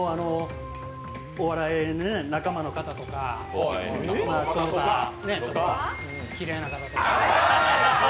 お笑いの仲間の方とか、きれいな方とか。